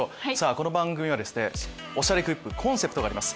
この番組は『おしゃれクリップ』コンセプトがあります。